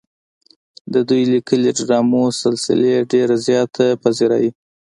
د دوي ليکلې ډرامو سلسلې ډېره زياته پذيرائي